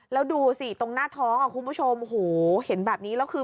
แล้วดูสิตรงหน้าท้องอ่ะคุณผู้ชมโหเห็นแบบนี้แล้วคือ